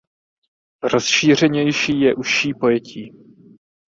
Rozšířenější je užší pojetí.